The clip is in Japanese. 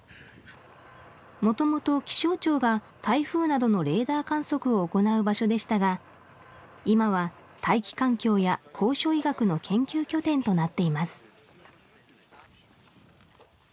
元々気象庁が台風などのレーダー観測を行う場所でしたが今は大気環境や高所医学の研究拠点となっています